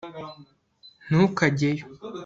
ntukajyeyo